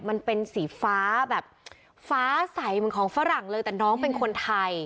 มันเป็นสีฟ้าแบบฟ้าใสเหมือนของฝรั่งเลยแต่น้องเป็นคนไทย